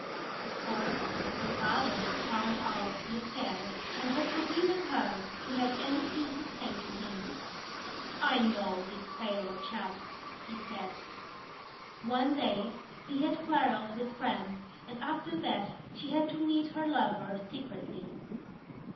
Of course, her father had found out the affair and had forbidden her to have anything to say to him. "I know these sailor chaps," he said. One day he had quarrelled with Frank and after that she had to meet her lover secretly.